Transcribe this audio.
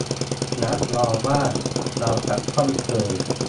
รับรองว่าเราจะต้องเคย